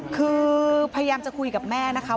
คือพยายามจะคุยกับแม่นะคะ